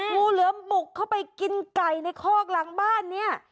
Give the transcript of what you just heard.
งูเหลือมบุกเข้าไปกินไก่ในคอกหลังบ้านเนี่ย